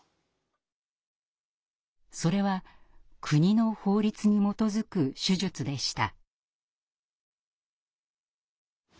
それは国の法律に基づく手術でした。